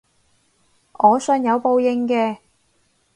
我信有報應嘅